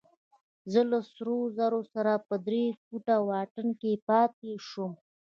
زه له سرو زرو سره په درې فوټه واټن کې پاتې شوم.